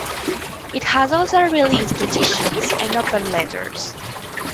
It has also released petitions and open letters.